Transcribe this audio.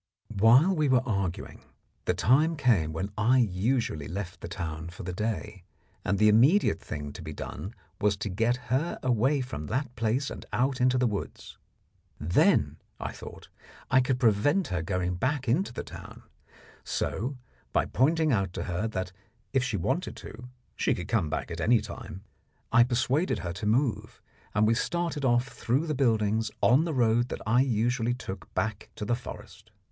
While we were arguing, the time came when I usually left the town for the day, and the immediate thing to be done was to get her away from that place and out into the woods. Then, I thought, I could prevent her going back into the town; so by pointing out to her that, if she wanted to, she could come back at any time, I persuaded her to move, and we started off through the buildings on the road that I usually took back to the forest.